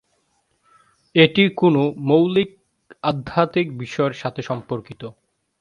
এটি কোনও মৌলিক আধ্যাত্মিক বিষয়ের সাথে সম্পর্কিত।